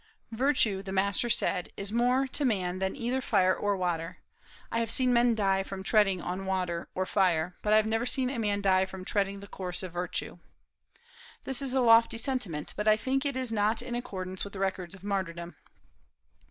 "Virtue," the master said, "is more to man than either fire or water. I have seen men die from treading on water or fire, but I have never seen a man die from treading the course of virtue." This is a lofty sentiment, but I think it is not in accordance with the records of martyrdom.